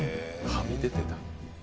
はみ出てた。